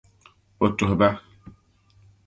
O tuhi bahi.